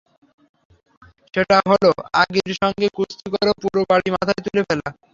সেটা হলো অগির সঙ্গে কুস্তি করে পুরো বাড়ি মাথায় তুলে ফেলা।